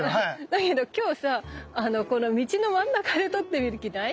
だけど今日さこの道の真ん中で撮ってみる気ない？